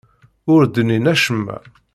Ur d-nnin acemma.